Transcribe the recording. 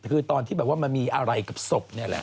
คือตอนที่แบบว่ามันมีอะไรกับศพนี่แหละ